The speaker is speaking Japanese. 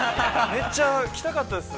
めっちゃ来たかったっす。